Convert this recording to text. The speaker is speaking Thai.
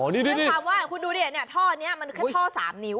อ๋อนี่เพราะว่าคุณดูนี่เนี่ยท่อนี้มันแค่ท่อ๓นิ้ว